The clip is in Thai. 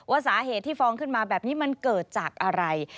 สาเหตุที่ฟ้องขึ้นมาแบบนี้มันเกิดจากอะไร